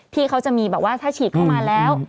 ที่เขาจะมีแบบว่าถ้าฉีดเข้ามาแล้ว